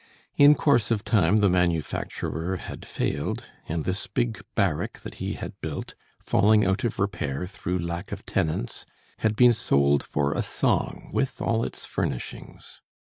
In course of time the manufacturer had failed, and this big barrack that he had built, falling out of repair through lack of tenants, had been sold for a song with all its furnishings.